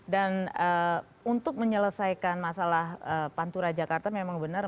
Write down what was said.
dan untuk menyelesaikan masalah pantura jakarta memang benar